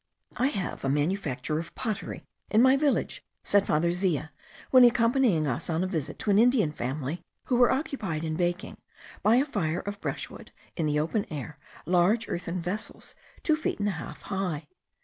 "I have a manufacture of pottery in my village," said Father Zea, when accompanying us on a visit to an Indian family, who were occupied in baking, by a fire of brushwood, in the open air, large earthen vessels, two feet and a half high.